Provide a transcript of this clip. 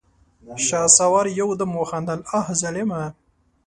شهسوار يودم وخندل: اه ظالمه!